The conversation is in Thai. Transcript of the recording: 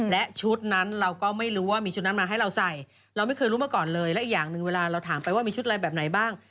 และชุดนั้นเราก็ไม่รู้ว่ามีชุดนั้นมาให้เราใส่เราไม่เคยรู้มาก่อนเลยและอีกอย่างหนึ่งเวลาเราถามไปว่ามีชุดอะไรแบบไหนบ้าง